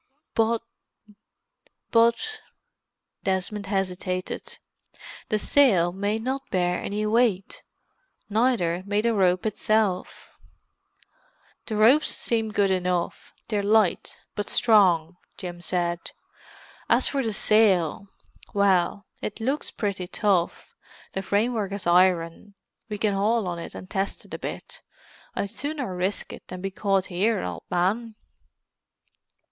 "But——" Desmond hesitated. "The sail may not bear any weight—neither may the rope itself." "The ropes seem good enough—they're light, but strong," Jim said. "As for the sail—well, it looks pretty tough; the framework is iron. We can haul on it and test it a bit. I'd sooner risk it than be caught here, old man."